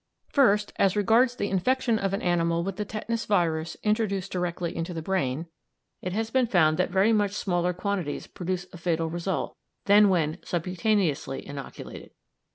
First, as regards the infection of an animal with the tetanus virus introduced directly into the brain, it has been found that very much smaller quantities produce a fatal result than when subcutaneously inoculated.